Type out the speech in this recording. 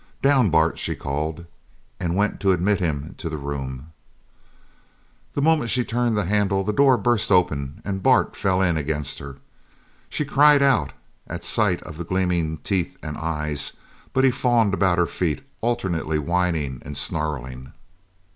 "Down, Bart!" she called, and went to admit him to the room. The moment she turned the handle the door burst open and Bart fell in against her. She cried out at sight of the gleaming teeth and eyes, but he fawned about her feet, alternately whining and snarling.